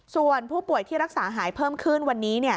ส่วนผู้ป่วยที่รักษาหายเพิ่มขึ้นวันนี้